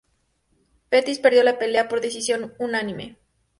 Pettis perdió la pelea por decisión unánime.